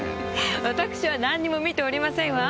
私は何にも見ておりませんわ。